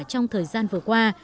trong thời gian vừa qua